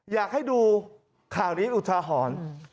อยากให้ดูข่าวนี้อุทาหรณ์